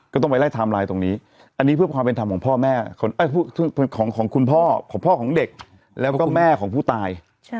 ก็ต้องไปไล่ไทม์ไลน์ตรงนี้อันนี้เพื่อความเป็นธรรมของพ่อแม่ของคุณพ่อของพ่อของเด็กแล้วก็แม่ของผู้ตาย